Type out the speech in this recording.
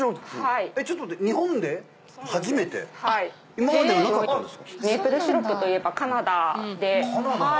今まではなかったんですか？